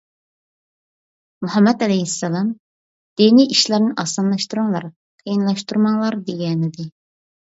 مۇھەممەد ئەلەيھىسسالام: «دىنىي ئىشلارنى ئاسانلاشتۇرۇڭلار، قىيىنلاشتۇرماڭلار. » دېگەنىدى.